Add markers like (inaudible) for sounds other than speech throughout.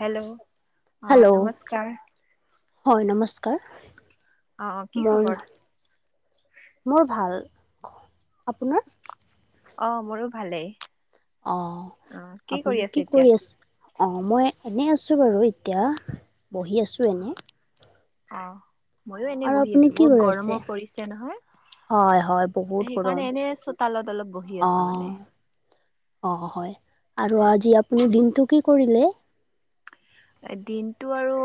Hello অ hello নমস্কাৰ হয় নমস্কাৰ অ কি মই খবৰ মোৰ ভাল আপোনাৰ অ মোৰো ভালেই অঁ অ আপুনি আছে কি এতিয়া কৰি আছে অঁ মই এনেই আছোঁ বাৰু এতিয়া বহি আছোঁ এনেই অ ময়ো এনে আৰু বহি আপুনি আছো কি বহুত কৰি আছে গৰমো পৰিছে নহয় হয় হয় বহুত গৰম সেইকাৰণে এনে চোতালত অলপ বহি আছো মানে অ হয় আৰু আজি আপুনি দিনটো কি কৰিলে দিনটো আৰু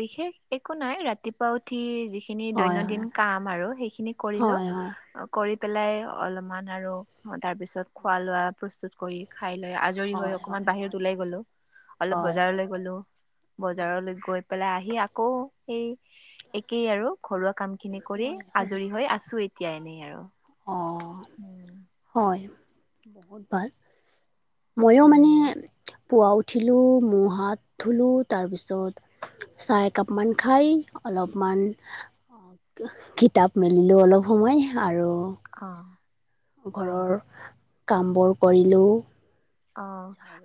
বিশেষ একো নাই ৰাতিপুৱা উঠি যিখ খিনি হয় দৈনন্দিন হয় কাম আৰু সেইখিনি কৰিলো হয় হয় কৰি পেলাই অলমান আৰু তাৰপিছত খোৱা লোৱা প্ৰস্তুত কৰি খাই লৈ আজ জৰি হয় হৈ হয় অকমান হয় বাহিৰত ওলাই গ'লো অলপ হয় হয় বজাৰলে গলো বজাৰলৈ গৈ পেলাই আহি আকৌ সেই একেই আৰু ঘৰুৱা কাম সেইখিনি কৰি হয় আজৰি হৈ আছো এতিয়া এনেই আৰু অ উম হয় ভাল ময়ো মানে উম পুৱা উঠিলোঁ মু হাত ধুলোঁ তাৰপিছত চাহ একাপমান খায় অলপমান কিতাপ মেলিলো অলপ সময় আৰু অ ঘৰৰ কামবোৰ কৰিলোঁ অ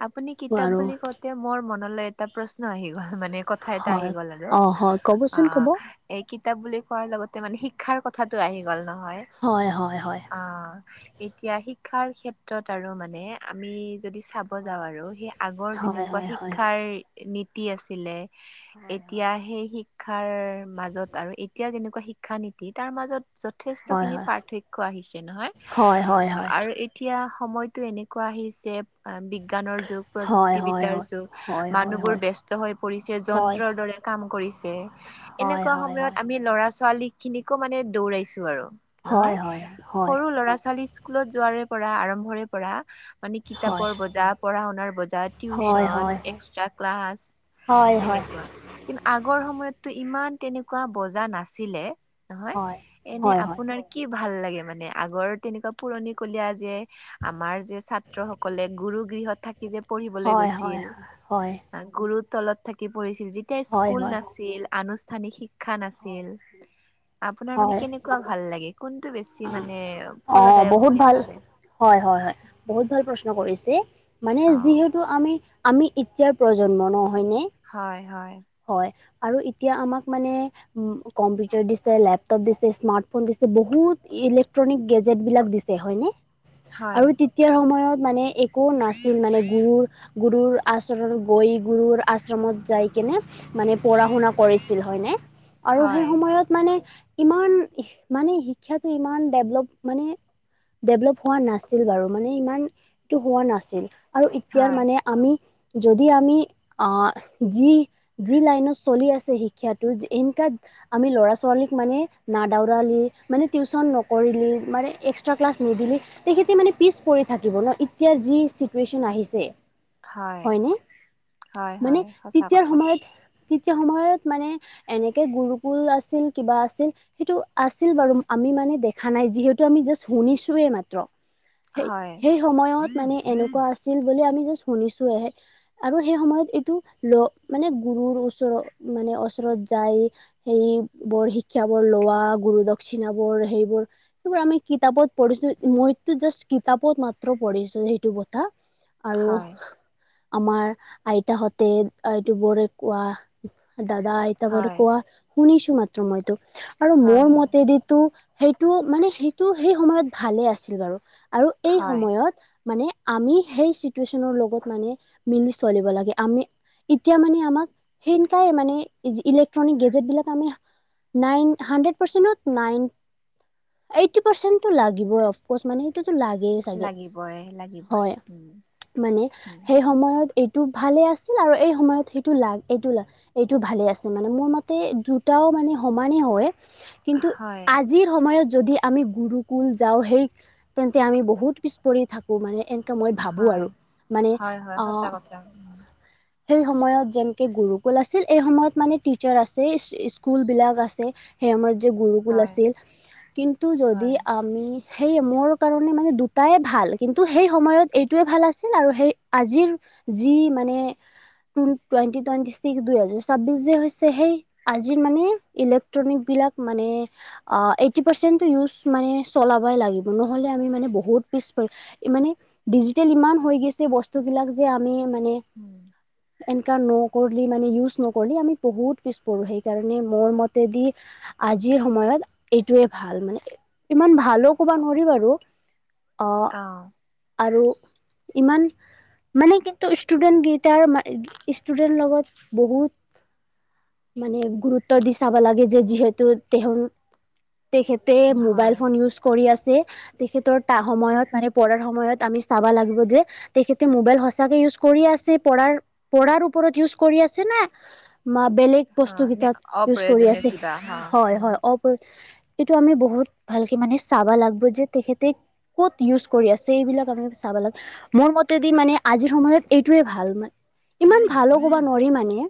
আপুনি কিতাপ আৰু বুলি কওঁতে মোৰ মনলৈ এটা প্ৰশ্ন আহি গল মানে কথা এটা আহি হয় গ'ল আৰু অঁ হয় ক'বচোন ক'ব অ'। এই কিতাপ বুলি কোৱাৰ লগতে মানে শিক্ষাৰ কথাটো আহি গ'ল নহয়। হয় হয় হয়। অ', এতিয়া শিক্ষাৰ ক্ষেত্ৰত আৰু মানে আমি যদি চাব- যাওঁ আৰু। সেই আগৰ হয় যেনেকুৱা হয় হয় হয় শিক্ষাৰ নীতি আছিলে। হয় এতিয়া সেই শিক্ষাৰ মাজত আৰু এতিয়া যেনেকুৱা শিক্ষা নীতি, তাৰ মাজত- যথেষ্ট হয় হয় খিনি পাৰ্থক্য আহিছে নহয় হয় হয় হয় হয় আৰু- এতিয়া সময়টো এনেকুৱা আহিছে। বিজ্ঞানৰ যুগ, হয় হয় প্ৰযুক্তিবিদ্যাৰ যুগ। হয় হয় মানুহবোৰ ব্যস্ত হৈ পৰিছে হয় হয় হয় যন্ত্ৰৰ দৰে। কাম কৰিছে, এনেকুৱা সময়ত আমি ল'ৰা-ছোৱালী খিনিকো মানে দৌৰাইছোঁ আৰু। হয় হয় হয় হয় হয় নহয়, হয় সৰু ল'ৰা-ছোৱালী স্কুলত যোৱাৰে পৰা, আৰম্ভৰে পৰা মানে। কিতাপৰ বোজা, পঢ়া-শুনাৰ বোজা, হয় টিউচন, হয় এক্সট্ৰা ক্লাছ। হয় হয়। তেনেকুৱা কিন্তু আগৰ সময়তটো ইমান তেনেকুৱা বজাৰ নাছিলে। হয়, নহয়, এনে হয়, হয়, আপোনাৰ কি ভাল লাগে মানে, আগৰ তেনেকুৱা পুৰণিকলীয়া যে আমাৰ যে ছাত্ৰসকল সকলে গুৰু গৃহত থাকি যে পঢ়িবলৈ হয়, হয়, গৈছিল। হয়, গুৰু তলত থাকি পঢ়িছিল, যেতিয়া হয়, স্কুল হয়, নাছিল, আনুষ্ঠানিক শিক্ষা শিক্ষা হয়, নাছিল, আপোনাৰ মানে হয়, কেনেকুৱা ভাল লাগে। কোনটো বেছি অ', মানে, অ, ফলদায়ক বহুত বুলি ভাল, ভাবে। হয় হয় হয়, বহুত ভাল প্ৰশ্ন কৰিছে? মানে অ যিহেতু- যিহেতু আমি এতিয়াৰ প্ৰজন্ম নহয়নে। হয় হয়। হয় আৰু এতিয়া আমাক মানে- কম্পিউটাৰ দিছে, লেপটপ দিছে, স্মাৰ্ট ফোন দিছে, বহুত ইলেক্ট্ৰনিক গেজেট বিলাক দিছে। হয়নে, হয় আৰু তেতিয়াৰ সময়ত মানে একো নাছিল মানে গুৰ গুৰুৰ আশ্ৰমত গৈ, গুৰুৰ আশ্ৰমত যাইকিনে- মানে পঢ়া-শুনা কৰিছিল হয়নে আৰু সেই হয় সময়ত- মানে ইমান মানে, শিক্ষাটো ইমান ডেভলপ মানে। ডেভলপ হোৱা নাছিল বাৰু, মানে ইমানটো হোৱা নাছিল। আৰু এতিয়াৰ হয় মানে আমি, যদি আমি যি- যি লাইনত চলি আছোঁ শিক্ষাটো, এনেকাত- আমি ল'ৰা-ছোৱালীক মানে না দাউৰালি, মানে টিউশচন নকৰিলি, মানে এক্সট্ৰা ক্লাছ নিদিলি, তেখেতে মানে পিছ পৰি থাকিব ন? এতিয়া যি চিটুৱেশ্যন আহিছে। হয় হয়নে? হয় মানে হয় সঁচা তেতিয়াৰ কথা সময়ত, তেতিয়াৰ সময়ত মানে- এনেকে গুৰুকুল আছিল, কিবা আছিল। সেইটো আছিল বাৰু। আমি মানে দেখা নাই যিহেতু, আমি জাষ্ট শুনিছোঁহে মাত্ৰ। হয়। এসময়ত মানে এনেকুৱা আছিল বুলি আমি জাষ্ট শুনিছোঁহে। আৰু সেই সময়ত এইটো, ল মানে গুৰুৰ ওচৰত মানে ওচৰত যায়। সেই বৰ শিক্ষাবোৰ লোৱা, গুৰু দক্ষিণাবোৰ সেইবোৰ। সেইবোৰ আমি কিতাপত পঢ়িছোঁ, মইতো জাষ্ট কিতাপত মাত্ৰ পঢ়িছোঁ সেইটো কথা। আৰু হয়, আমাৰ আইতাহঁতে, আইতাবোৰে কোৱা। দাদা, আইতাবোৰে হয়, কোৱা শুনিছোঁ মাত্ৰ, মইতো আৰু হয়, মোৰ হয়, মতেদিতো- সেইটো, মানে সেইটো সেই সময়ত ভালে আছিল বাৰু। আৰু এই হয়, সময়ত- মানে আমি সেই চিটুৱেচনৰ লগত মানে মিলি চলিব লাগে আমি এতিয়া মানে আমাক সেনেকাই মানে ইলেক্ট্ৰনিক গেজেট বিলাক আমি (unintelligible) চ মানে সেইটোতো লাগেই চাগে লাগিবই, লাগিবই। হয় উম, মানে উম, সেই সময়ত এইটো ভালেই আছিল আৰু এই সময়ত সেইটো লাগ এইটো লা এইটো ভালে আছে মানে মোৰ মতে দুইটা মানে সমানেই হয় কিন্তু হয়, আজি যিৰ সময়ত যদি আমি গুৰুকুল যাওঁ সেই তেন্তে আমি বহুত পিছ পৰি থাকোঁ। এ মই ভাবোঁ হয়, আৰু মান হয়, হয়, সঁচা কথা। উম, সেই সময়ত যেনকে গুৰুকুল আছিল এই সময়ত মানে টিচাৰ আছে স্কুল বিলাক আছে। সেয়া আমাৰ যে গুৰুকুল হয়, আছে কিন্তু যদি হয়, আমি সেইয়ে মোৰ কাৰণে মানে দুটাই ভাল কিন্তু সেই সময়ত এইটোৱে ভাল আছিল আৰু সেই আজিৰ যি মানে টুৱেটি টুৱেন্টি ছিক্স দুইহেজাৰ ছাব্বিশ যে হৈছে সেই আজিৰ মানে ইলেক্ট্ৰনিক বিলাক মানে অ এইটটি পাৰচেন্ট টো ইউজ মানে চলাবাই লাগিব নহলে নহলে আমি মানে বহুত পিচ পৰি মানে ডিজিটেল ইমান হৈ গৈছে বস্তুবিলাক যে আমি মানে উম এনকা নও কৰিলি মানে ইউজ নকৰিলি আমি বহুত পিছপৰোঁ সেইকাৰণে মোৰ মতেদি আজিৰ সময়ত এইটোৱে ভাল মানে। ইমান ভালো ক'ব নোৱাৰি বাৰু, অ', আহ আৰু ইমান মানে কিন্তু ষ্টুডেন্ট গেইটাৰ ষ্টু ষ্টুডেণ্টৰ লগত বহুত মানে গুৰুত্ব দি চাব লাগে যে যিহেতু তেহন তেখেত পে হয়, মোবাইল ফোন ইউজ কৰি আছে তেখেতৰ তা সময়ত মানে পঢ়াৰ সময়ত আমি চাবা লাগিব যে তেখেতে মোবাইল সচাকে ইউজ কৰি আছে পঢ়াৰ পঢ়াৰ ওপৰত ইউজ কৰি আছে না ম বেলেগ বস্তু হয়, নে কেইটাত ইউজ কৰি অপ্ৰয়োজনীয় আছে কিবা, অ'। হয় উম, হয় অ এইটো আমি বহুত ভালকে মানে চাবা লাগিব যে তেখেতে ক'ত ইউজ কৰি আছে এইবিলাক আমি চাব লাগে। মোৰ মতেদি মানে আজিৰ সময়ত এইটোৱে ভাল মানে ইমান ভালো ক'বা নোৱাৰি মানে।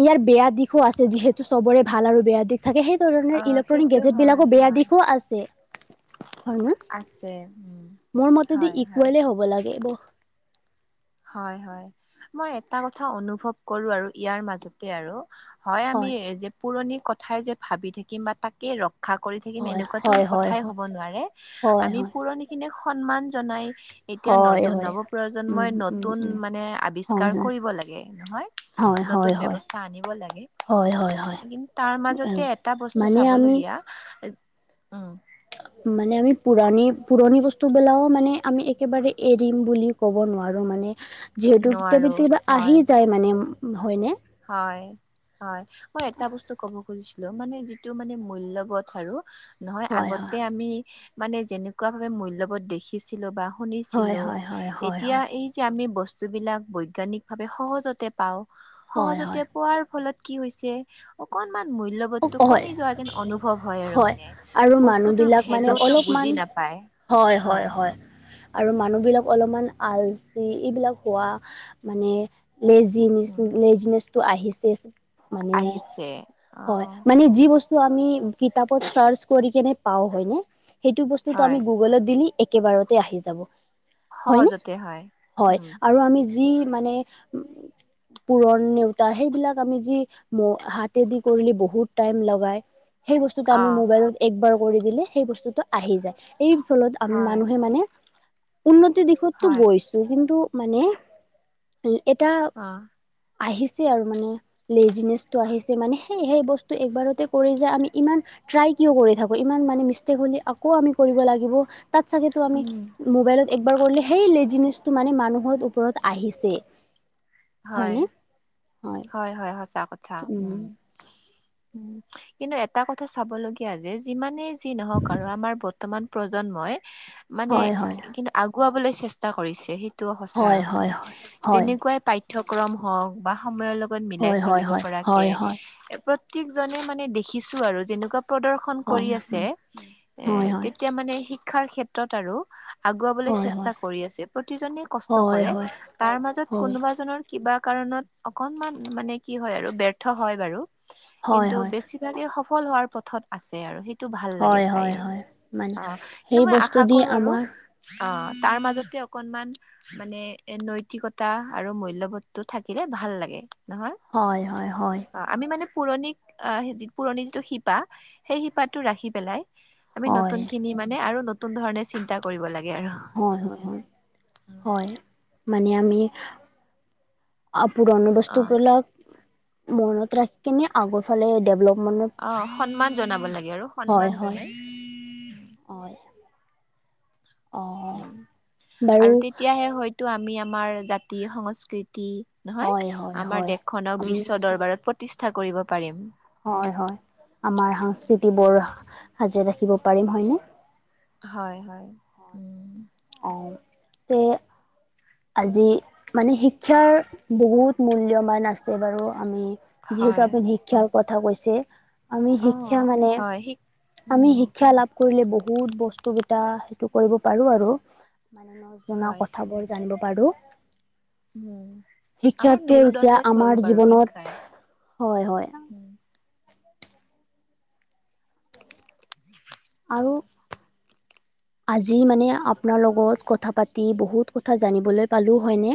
ইয়াৰ বেয়া দিশো আছে যিহেতু সবৰে ভাল আৰু বেয়া দিশ থাকে সেই কাৰনে অ', ইলেক্ট্ৰনিক সেইটো হয়, গেজেটবিলাকো বেয়া হয়, দিশো আছে। হয় ন, আছে, উম, মোৰ মতেদি হয়, হয়। ইকুৱলে হ'ব লাগে ব। হয় হয়, মই এটা কথা অনুভৱ কৰো আৰু ইয়াৰ মাজতে আৰু হয় আমি যে পুৰণি কথাই যে ভাবি থাকিম বা তাকে ৰক ক্ষা কৰি থাকিম হয় এনেকুৱাতো হয় হয় কথাই হব নোৱাৰে হয় হয় আমি হয় পুৰণি খিনিক সন্মান জনাই এতিয়া হয় নতুন হয় নৱ প্ৰজন্মই উম নতুন উম উন উম মানে হয় আৱিষ্কাৰ হয় কৰিব লাগে হয় নহয় হয় নতুন হয় ব্যৱস্থা আনিব লাগে। হয় হয় হয় কিন তাৰ উম, মাজতে এটা বস্তু মানে আমি চাবলগীয়া যে উম মানে আমি পুৰাণি পুৰণি বস্তুবিলাকো মানে আমি এক কেবাৰে এৰিম বুলি ক'ব নোৱাৰোঁ মানে যিহেতু কেতিয়াবা নোৱাৰো কেতিয়াবা আহি হয় যায় মানে হয়নে? হয় হয়, মই এটা বস্তু ক'ব খুজিছিলো মানে যিটো মানে মূল্যবোধ আৰু নহয় হয় আগতে আমি মানে যেনেকুৱা ভাৱে মূল্যবোধ দেখিছিলো বা- হয় শুনিছিলো, হয় হয় হয় এতিয়া হয় এই যে আমি বস্তু- স্তু বিলাক বৈজ্ঞানিকভাৱে সহজতে পাওঁ। হয় হয় সহজতে- পোৱাৰ ফলত কি হৈছে, অকনমান মূল্য- হয় বোধটো হয় কমি যোৱা যেন অনুভৱ হয় আৰু মানে আৰু বস্তুটোৰ মানুহবিলাক মানে ভেলুটো অলপমান বুজি নাপায়। হয় হয় হয়। আৰু মানুহবিলাক অলপমান আলচি এইবিলাক হোৱা মানে- উম, লেজিনেচ লেজিনেচটো আহিছে। মানে আহিছে। অ হয়, মানে যি বস্তু আমি কিতাপত চাৰ্চ কৰি কিনে পাওঁ হয়নে? সেইটো বস্তুটো আমি হয় গুগুলত দিলি একেবাৰতে আহি যাব। হয় নে সহজতে হয় হয়, উম আৰু আমি যি- যি মানে পুৰণ নেওতা সেইবিলাক আমি যি ম হাতে দি- কৰিলে বহুত টাইম লগাই সেই বস্তুটো অ আমি মোবাইলত- একবাৰ কৰি দিলে সেই বস্তুটো আহি যায় এই ফলত আ হয় মানুহে মানে উন্নত- তি দিশতটো হয় গৈছো, কিন্তু মানে এটা- অ', আহিছে আৰু মানে লেজিনেচটো আহিছে। মানে- সেই সেই বস্তু একবাৰতে কৰি যে আমি ইমান- ট্ৰাই কিয় কৰি থাকো ইমান মানে মিষ্টেক হ'লে আকৌ আমি কৰিব লাগিব তাত চাগেটো আমি- মোবাইলত একবাৰ কৰিলে সেই লেজিনেচটো মানে মানুহৰ ওপৰত আহিছে। হয়, হয়নে? হয়। হয় হয়, সঁচা কথা। উম' কিন্তু, এটা কথা চাব লগীয়া যে যিমানে যি নহওক আৰু আমাৰ বত- ৰ্তমান প্ৰজন্মই মানে, হয় হয় কিন্তু আগুৱাবলৈ চেষ্টা কৰিছে- টো সঁচা হয় আৰু মানে হয় হয় হয় যেনেকুৱাই পাঠ্যক্ৰম হওঁক বা সময়ৰ লগত- গত মিলাই হয় হয় চলিব পৰাকে হয় হয় এ প্ৰত্যেকজনে মানে দেখিছো আৰু তেনেকুৱা প্ৰদৰ- খন কৰি হয় আছে উম হয় এ হয় তেতিয়া মানে শিক্ষাৰ ক্ষেত্ৰত আৰু- আগুৱাবলৈ হয় হয় চেষ্টা কৰি আছে। প্ৰতিজনে কষ্ট হয় হয় কৰে হয় তাৰ মাজত হয় কোনোবা জনৰ- কিবা কাৰণত অকনমান মানে কি হয় আৰু ব্যৰ্থ হয় বাৰু। কিন্তু, হয় বেছি- সিবিলাকে সফল হোৱাৰ পথত আছে আৰু। সেই- টো ভাল লাগে হয় চাই হয় আৰু হয় মানে অঁ কিন্তু সেই মই বস্তু আশা দি কৰো আৰু- আমাৰ অঁ' তাৰ মাজতে অকনমান- মানে এ নৈতিকতা আৰু মূল্যবোধ টো থাকিলে ভাল লাগে নহয়। হয় হয় হয়। অঁ' আমি মানে পুৰণি অ হে পুৰণি যিটো শিপা সেই শিপাটো ৰাখি পেলাই- আমি হয়, নতুন খিনি মানে আৰু নতুন ধৰণে চিন্তা কৰিব লাগে আৰু। হয় হয় হয় হয়, মানে আমি- অ পুৰণি অ বস্তু বিলাক মনত ৰাখি কিনে আগৰ ফালে ডেভলপ- অঁ' সন্মান জনাব লাগে আৰু হয়, সন্মান হয়, জনাই। হয়। অ', উম' বাৰু আৰু তেতিয়াহে হয়তো আমি আমাৰ জাতি, সংস্কৃতি- নহয় হয়, হয়, আমাৰ হয়, দেশখনক উম বিশ্ব দৰবাৰত প্ৰতিষ্ঠা কৰিব পাৰিম। হয় হয়, আমাৰ সংস্কৃতি বোৰ সাজি ৰাখিব পাৰিম হয়নে? হয় হয়, উম'। অঁও তে- আজি মানে শিক্ষাৰ বহুত মূল্যৱান আছে বাৰু আমি যিহেতু হয় আপুনি শিক্ষাৰ কথা কৈছে। আমি অ শিক্ষা মানে হয় শিক আমি উম শিক্ষা লাভ কৰিলে বহুত বস্তুকেইটা সেইটো কৰিব পাৰো আৰু মানে নজনা হয় কথাবোৰ জানিব পাৰোঁ। উম আমাৰ শিক্ষাটো মেৰুদণ্ড এতিয়া স্বৰূপ আমাৰ আৰু শিক্ষাই জীৱনত হয় হয়। উম। আৰু আজি মানে আপোনাৰ লগত কথা পাতি বহুত কথা জানিবলৈ পালোঁ হয়নে?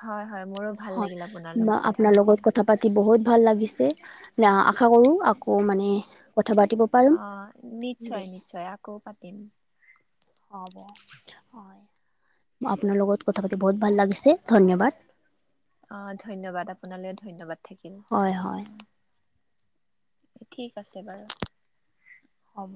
হয় হয় মোৰো ভাল হয় লাগিল আপোনাৰ লগত কথা আপোনাৰ পাতি। লগত কথা পাতি বহুত ভাল লাগিছে লা আশা কৰো আকৌ মানে কথা পাতিব পাৰিম আহ দে নিশ্চয় - নিশ্চয় আকৌ পাতিম। হ'ব, হয়, মই আপোনাৰ লগত কথা পাতি বহুত ভাল লাগিছে ধন্যবাদ। অহ ধন্যবাদ, আপোনালৈ ধন্যবাদ থাকিল। হয় হয় ঠিক আছে বাৰু। হ'ব।